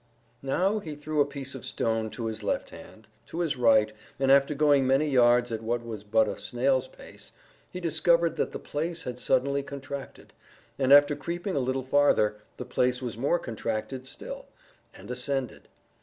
Now he threw a piece of stone to his left hand, to his right, and after going many yards at what was but a snail's pace, he discovered that the place had suddenly contracted, and after creeping a little farther, the place was more contracted still, and ascended.